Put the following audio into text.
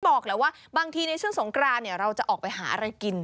บอกแหละว่าบางทีในช่วงสงกรานเราจะออกไปหาอะไรกิน